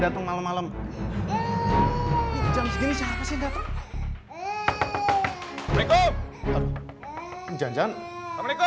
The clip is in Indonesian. di mana sih ya resident ya itu